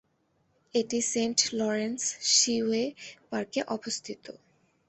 এটি saint Lawrence seaway পার্কে অবস্থিত।